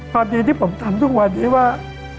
ความดีที่ผมทำทุกวันนี้ว่า